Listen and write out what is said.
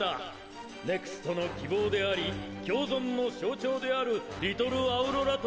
ＮＥＸＴの希望であり共存の象徴であるリトルアウロラとの。